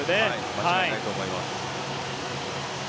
間違いないと思います。